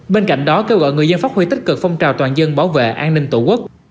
bên cạnh đó kêu gọi người dân phát huy tích cực phong trào toàn dân bảo vệ an ninh tổ quốc